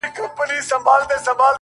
چي زه تورنه ته تورن سې گرانه ;